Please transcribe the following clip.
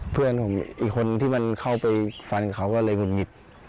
เพื่อนผมอีกคนที่มันเข้าไปฟันเขาก็เลยหุดหงิด